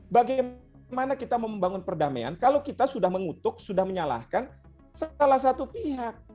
bagaimana kita mau membangun perdamaian kalau kita sudah mengutuk sudah menyalahkan salah satu pihak